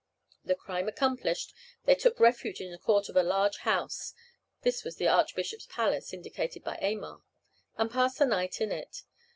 The crime accomplished, they took refuge in the court of a large house, this was the archbishop's palace, indicated by Aymar, and passed the night in it.